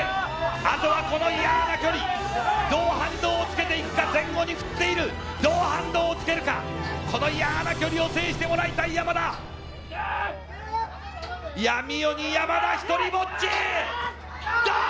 あとはこの嫌な距離どう反動をつけていくか前後に振っているどう反動をつけるかこの嫌な距離を制してもらいたい山田闇夜に山田独りぼっちだあー！